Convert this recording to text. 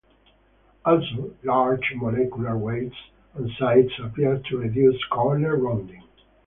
Also, larger molecular weights and sizes appear to reduce corner rounding.